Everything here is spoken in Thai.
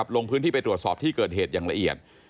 ลงพื้นที่ไปตรวจสอบที่เกิดเหตุอย่างละเอียด